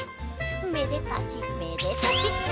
めでたしめでたしっと！